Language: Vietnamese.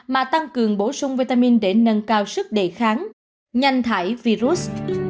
mà tăng cường bổ sung vitamin để nâng cao sức đề kháng nhanh thải virus